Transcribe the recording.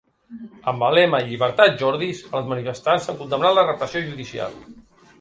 Amb el lema ‘Llibertat Jordis’, els manifestants han condemnat la repressió judicial.